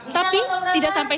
tapi tidak selesai